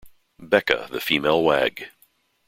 Becca, the female wag.